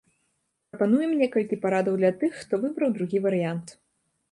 Прапануем некалькі парадаў для тых, хто выбраў другі варыянт.